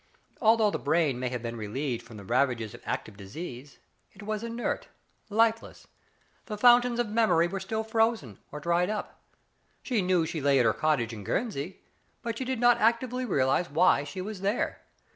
Although the brain may have been relieved from the ravages of active disease, it was inert, lifeless. The fountains of memory were still frozen, or dried up. She knew she lay at her cottage in Guernsey, but she did not actively realize why she was there.